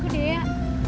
ke rumah bibi